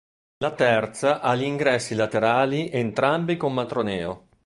La terza ha gli ingressi laterali entrambi con matroneo.